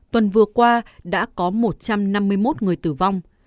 tuần vừa qua đã có một trăm năm mươi một người tử vong